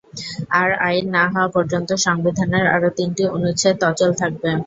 আর আইন না হওয়া পর্যন্ত সংবিধানের আরও তিনটি অনুচ্ছেদ অচল থাকবে।